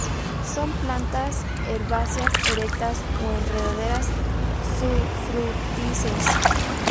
Son plantas herbáceas erectas o enredaderas sufrútices.